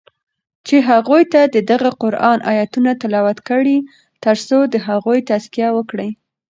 چی هغوی ته ددغه قرآن آیتونه تلاوت کړی تر څو د هغوی تزکیه وکړی